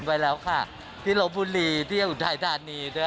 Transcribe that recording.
ไปแล้วค่ะที่เราบุรีที่จะอุดท้ายทางนี้ด้วย